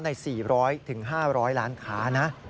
ใน๔๐๐๕๐๐ล้านค้านะ